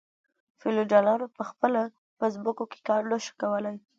فیوډالانو په خپله په ځمکو کې کار نشو کولی.